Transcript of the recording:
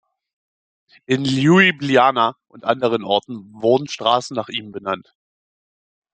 In Ljubljana und anderen Orten wurden Straßen nach ihm benannt.